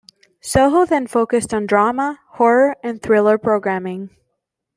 SoHo then focused on drama, horror and thriller programming.